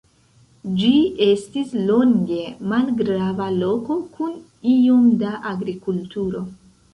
Ĝi estis longe malgrava loko kun iom da agrikulturo.